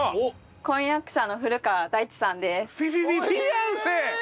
婚約者の古川大地さんです。